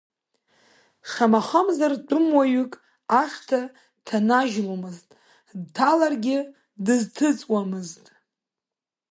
Шамахамзар тәымуаҩык ашҭа дҭанажьломызт, дҭаларгьы дызҭыҵуамызт.